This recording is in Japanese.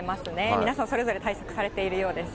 皆さんそれぞれ対策されているようです。